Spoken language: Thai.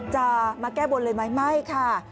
จะมาแก้บนเลยไหมไม่ค่ะ